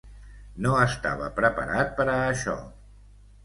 No estava preparat per a això.